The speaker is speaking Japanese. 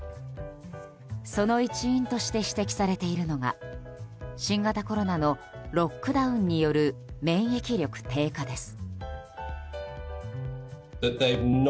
その一因として指摘されているのが新型コロナのロックダウンによる免疫力低下です。